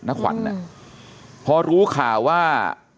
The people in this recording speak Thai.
น้าขวัญนั่นพอรู้ข่าวว่า